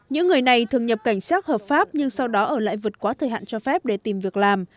những người này thường nhập cảnh xác hợp pháp nhưng sau đó ở lại vượt quá thời hạn cho phép để tìm việc làm